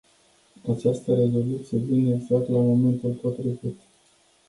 Această rezoluție vine exact la momentul potrivit.